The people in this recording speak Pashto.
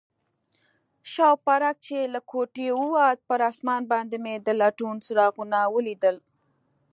شوپرک چې له کوټې ووت، پر آسمان باندې مې د لټون څراغونه ولیدل.